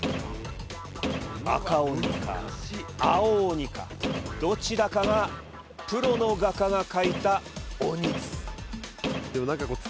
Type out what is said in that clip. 赤鬼か青鬼か、どちらかがプロの画家が描いた鬼です。